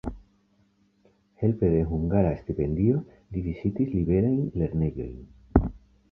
Helpe de hungara stipendio li vizitis liberajn lernejojn.